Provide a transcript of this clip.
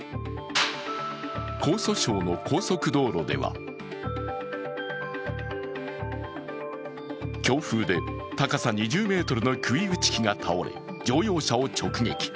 江蘇省の高速道路では強風で高さ２０ｍの杭打ち機が倒れ、乗用車を直撃。